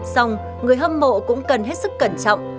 xong người hâm mộ cũng cần hết sức cẩn trọng